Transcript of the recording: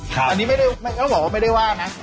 ตอนนี้ต้องบอกว่าไม่ได้ว่านะ